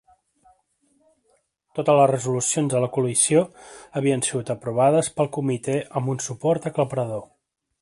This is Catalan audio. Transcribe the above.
Totes les resolucions de la coalició havien sigut aprovades pel comitè amb un suport aclaparador.